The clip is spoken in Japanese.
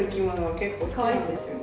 結構好きなんですよね。